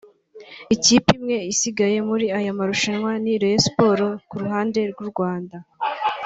Ikipe imwe isigaye muri aya marushanwa ni Rayon Sports ku ruhande rw’u Rwanda